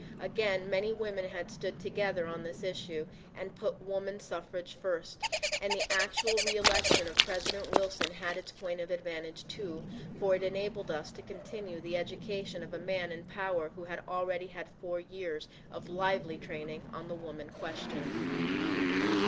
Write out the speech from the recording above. Again many women had stood together on this issue and put woman suffrage first. And the actual reelection of President Wilson had its point of advantage, too, for it enabled us to continue the education of a man in power who had already had four years of lively training on the woman question.